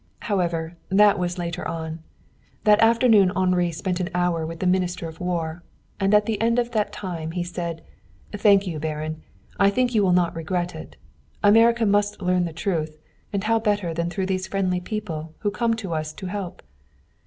However, that was later on. That afternoon Henri spent an hour with the Minister of War. And at the end of that time he said: "Thank you, Baron. I think you will not regret it. America must learn the truth, and how better than through those friendly people who come to us to help?"